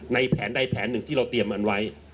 แผนใดแผนหนึ่งที่เราเตรียมอันไว้